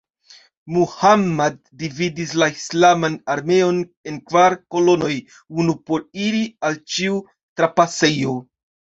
Muhammad dividis la islaman armeon en kvar kolonoj: unu por iri al ĉiu trapasejo.